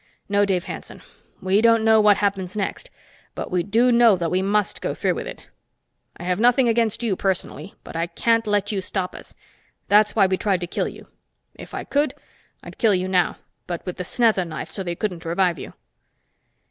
No, Dave Hanson, we don't know what happens next but we do know that we must go through with it. I have nothing against you personally but I can't let you stop us. That's why we tried to kill you. If I could, I'd kill you now, with the snetha knife so they couldn't revive you."